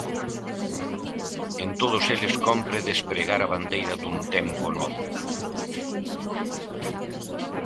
En todos eles cómpre despregar a bandeira dun tempo novo.